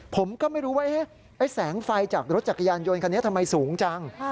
ผมก็ไม่รู้ว่าไอ้แสงไฟจากรถจักรยานยนต์คันนี้ทำไมสูงจัง